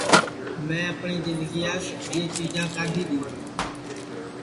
میں اپٹؔی جِندگیاس یہ چیجاں کاڈھی دؔیں